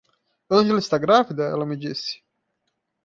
Angela está grávida? ela me disse.